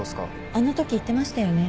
あのとき言ってましたよね？